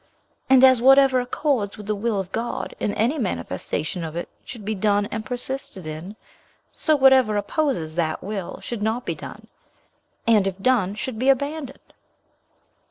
And as whatever accords with the will of God, in any manifestation of it should be done and persisted in, so whatever opposes that will should not be done, and if done, should be abandoned.